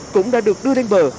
cũng đã được đưa lên bờ